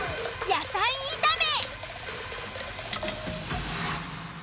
野菜炒め。